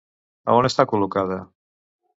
A on està col·locada?